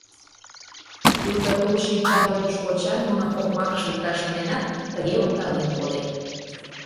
Пуйто тул шинчан водыж коча нуным окмакыш лукташ шоненат, тыге ондален коден.